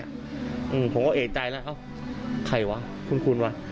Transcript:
ผมก็เอกใจแล้วเอ้าใครวะคุ้นวะ